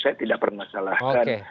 saya tidak permasalahkan